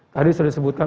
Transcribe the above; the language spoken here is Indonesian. tadi sudah disebutkan